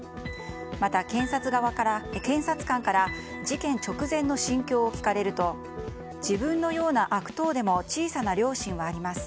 また、検察官から事件直前の心境を聞かれると自分のような悪党でも小さな良心はあります。